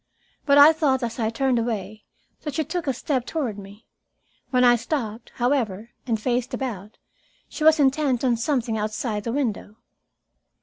But I thought, as I turned away, that she took a step toward me. When I stopped, however, and faced about, she was intent on something outside the window.